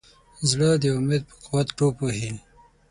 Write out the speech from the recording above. زړه د امید په قوت ټوپ وهي.